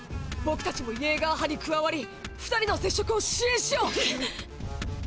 僕たちもイェーガー派に加わり二人の接触を支援しよう！！